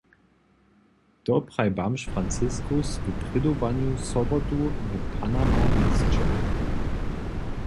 To praji bamž Franciskus w prědowanju sobotu w Panama-měsće.